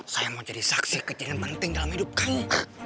saya mau jadi saksi kejadian penting dalam hidup kang